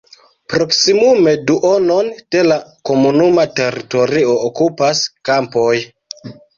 Proksimume duonon de la komunuma teritorio okupas kampoj.